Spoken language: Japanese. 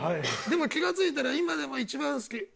でも気がついたら今でも一番好き。